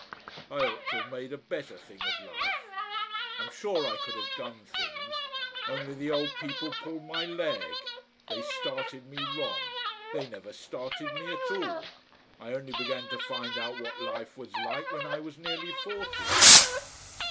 I ought to have made a better thing of life. "I'm sure I could have done things. Only the old people pulled my leg. They started me wrong. They never started me at all. I only began to find out what life was like when I was nearly forty.